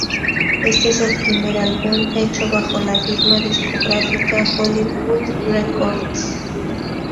Este es el primer álbum hecho bajo la firma discográfica Hollywood Records.